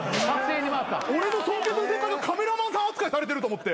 俺の尊敬する先輩がカメラマンさん扱いされてると思って。